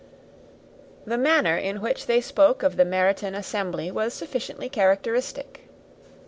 The manner in which they spoke of the Meryton assembly was sufficiently characteristic.